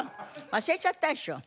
忘れちゃったでしょ？